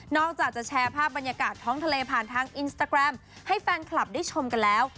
อกจากจะแชร์ภาพบรรยากาศท้องทะเลผ่านทางอินสตาแกรมให้แฟนคลับได้ชมกันแล้ว